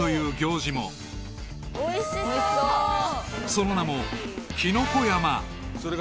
［その名も］